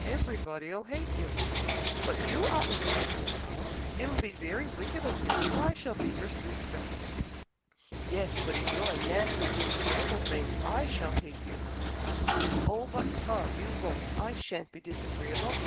Everybody'll hate you." "But you oughtn't to hate me, Tom. It'll be very wicked of you, for I shall be your sister." "Yes, but if you're a nasty, disagreeable thing, I shall hate you." "Oh but, Tom, you won't! I shan't be disagreeable.